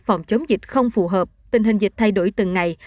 phòng chống dịch không phù hợp tình hình dịch thay đổi từng ngày